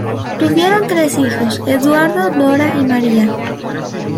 Tuvieron tres hijos, Edoardo, Dora y María.